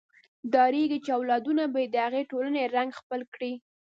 ډارېږي چې اولادونه به یې د هغې ټولنې رنګ خپل کړي.